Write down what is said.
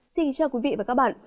xin chào quý vị và các bạn